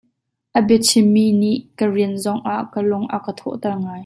A bia chimmi nih ka rian zongah ka lung a ka thawh ter ngai.